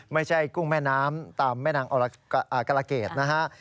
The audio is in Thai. กุ้งแม่น้ำตามแม่นางกรเกรดนะฮะ